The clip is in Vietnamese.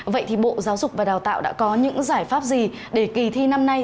vậy thì bộ giáo dục và đào tạo đã có những giải pháp gì để kỳ thi năm nay